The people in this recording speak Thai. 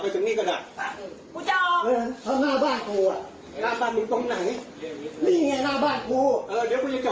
แต่จริงจริงนะฮะ